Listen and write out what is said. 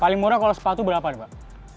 paling murah kalau sepatu berapa pak